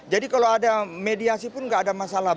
jadi kalau ada mediasi pun gak ada masalah